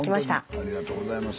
ありがとうございます。